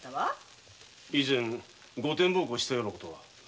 以前御殿奉公をしたようなことは？